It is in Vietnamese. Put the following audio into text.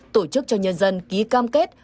tổ chức cho nhân dân ký cam kết